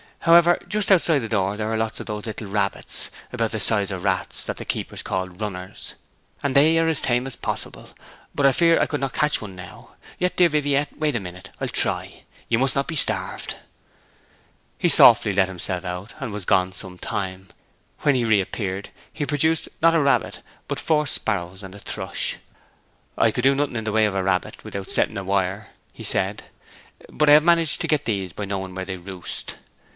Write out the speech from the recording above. However, just outside the door there are lots of those little rabbits, about the size of rats, that the keepers call runners. And they are as tame as possible. But I fear I could not catch one now. Yet, dear Viviette, wait a minute; I'll try. You must not be starved.' He softly let himself out, and was gone some time. When he reappeared, he produced, not a rabbit, but four sparrows and a thrush. 'I could do nothing in the way of a rabbit without setting a wire,' he said. 'But I have managed to get these by knowing where they roost.'